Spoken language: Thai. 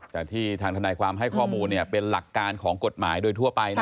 แต่ที่ทางทนายความให้ข้อมูลเป็นหลักการของกฎหมายโดยทั่วไปนะ